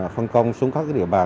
phân công xuống khắp địa bàn